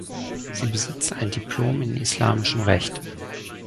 Sie besitzt ein Diplom in islamischem Recht.